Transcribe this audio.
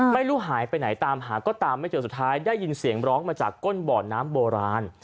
ไม่รู้หายไปไหนตามหาก็ตามไม่เจอสุดท้ายได้ยินเสียงร้องมาจากก้นบ่อน้ำโบราณ